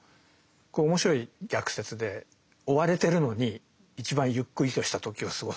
これ面白い逆説で追われてるのに一番ゆっくりとした時を過ごすんです。